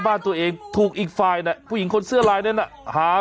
บ้านตัวเองถูกอีกฝ่ายน่ะผู้หญิงคนเสื้อลายนั้นน่ะหา